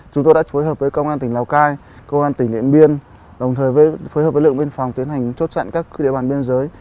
chúng tôi đã phối hợp với công an tỉnh lào cai công an tỉnh điện biên đồng thời với lượng biên phòng tiến hành chốt chặn các địa bàn biên giới